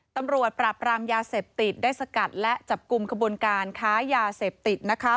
ตำรวจปราบรามยาเสพติดได้สกัดและจับกลุ่มขบวนการค้ายาเสพติด